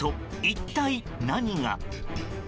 一体何が。